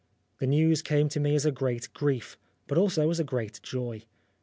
The news came to me as a great grief, but also as a great joy.